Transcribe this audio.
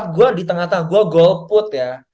gue di tengah tengah gue goal put ya